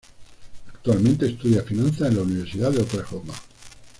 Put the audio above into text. Actualmente estudia finanzas en la Universidad de Oklahoma.